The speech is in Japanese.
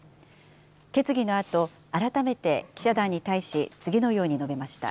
決議のあと、改めて記者団に対し、次のように述べました。